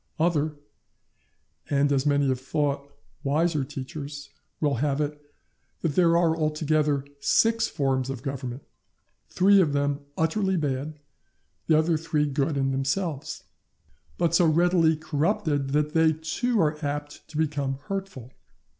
Other, and, as many have thought, wiser teachers, will have it, that there are altogether six forms of government, three of them utterly bad, the other three good in themselves, but so readily corrupted that they too are apt to become hurtful.